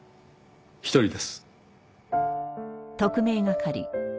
一人です。